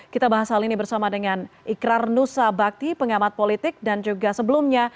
kita bahas hal ini bersama dengan ikrar nusa bakti pengamat politik dan juga sebelumnya